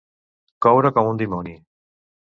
Coure com un dimoni.